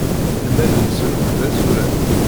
Lmal-nsen akk d azuran.